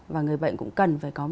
và người bệnh cũng cần phải có